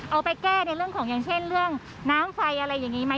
เอาไปแก้ในเรื่องของอย่างเช่นเรื่องน้ำไฟอะไรอย่างนี้ไหม